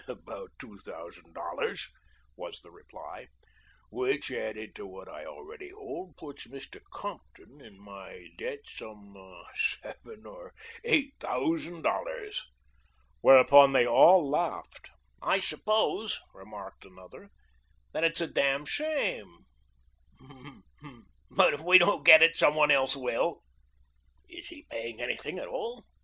"About two thousand dollars," was the reply, "which added to what I already hold, puts Mr. Compton in my debt some seven or eight thousand dollars." Whereupon they all laughed. "I suppose," remarked anther, "that it's a damn shame, but if we don't get it some one else will." "Is he paying anything at all?"